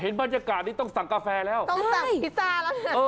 บรรยากาศนี้ต้องสั่งกาแฟแล้วต้องสั่งพิซซ่าแล้ว